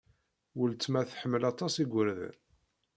Weltma tḥemmel aṭas igerdan.